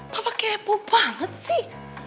papa kepo banget sih